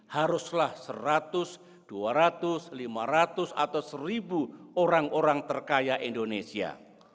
haruslah seratus dua ratus lima ratus atau seribu orang orang terkaya indonesia